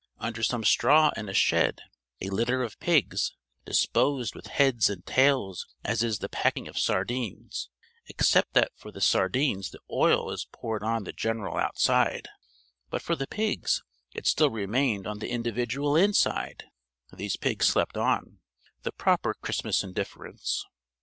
Under some straw in a shed a litter of pigs, disposed with heads and tails as is the packing of sardines except that for the sardines the oil is poured on the general outside, but for the pigs it still remained on the individual inside these pigs slept on the proper Christmas indifference!